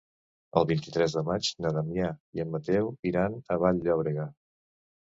El vint-i-tres de maig na Damià i en Mateu iran a Vall-llobrega.